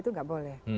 itu tidak boleh